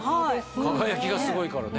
輝きがすごいからね。